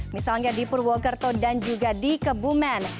misalnya di purwokerto dan juga di kebumen